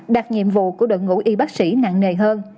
đặt nhiệm vụ của đội ngũ y bác sĩ nặng nề hơn